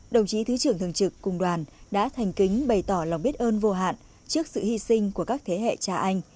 đồng chí thứ trưởng thường trực cùng đoàn đã thành kính bày tỏ lòng biết ơn vô hạn trước sự hy sinh của các thế hệ cha anh